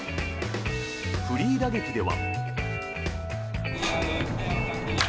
フリー打撃では。